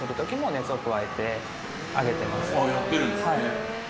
はい。